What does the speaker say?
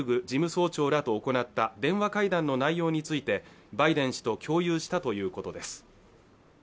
事務総長らと行った電話会談の内容についてバイデン氏と共有したということです